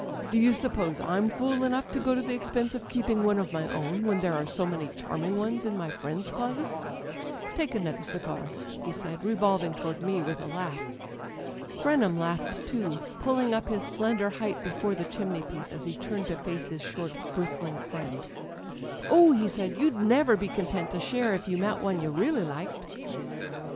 Do you suppose I*m fool enough to go to the expense of keeping one of my own, when there are so many charming ones in my friends' closets? â€" Take another cigar," he said, revolving toward me with a laugh. Frenham laughed too, pulling up his slender height before the chimney piece as he turned to facJe his short bristling friend. "Oh," he said, "you'd never be content to share if you met one you really liked."